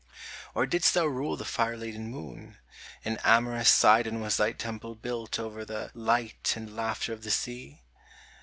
Or didst thou rule the fire laden moon ? In amorous Sidon was thy temple built Over the light and laughter of the sea